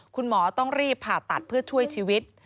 คุณหมอต้องรีบผ่าตัดเพื่อช่วยชีวิต